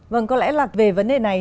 vâng có lẽ là về vấn đề này